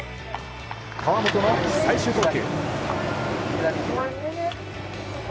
河本の最終投球。